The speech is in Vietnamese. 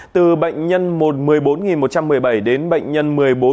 từ bệnh nhân một trăm một mươi bốn một trăm một mươi bảy đến bệnh nhân một mươi bốn hai trăm ba mươi hai